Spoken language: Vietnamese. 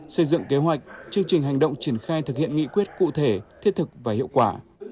xây dựng kế hoạch chương trình hành động triển khai thực hiện nghị quyết cụ thể thiết thực và hiệu quả